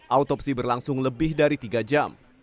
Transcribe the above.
autopsi berlangsung lebih dari tiga jam